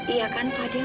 iya kan fadil